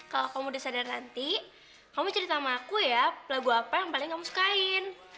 kalau kamu udah sadar nanti kamu cerita sama aku ya lagu apa yang paling kamu sukain